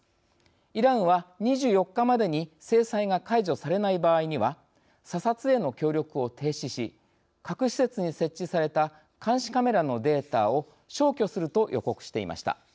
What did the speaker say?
イランは、２４日までに制裁が解除されない場合には査察への協力を停止し核施設に設置された監視カメラのデータを消去すると予告していました。